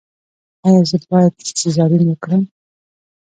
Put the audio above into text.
ایا زه باید سیزارین وکړم؟